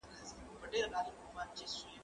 زه مخکي کتابتون ته تللي وو؟